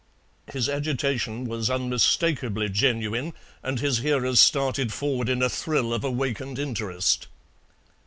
His agitation was unmistakably genuine, and his hearers started forward in a thrill of awakened interest.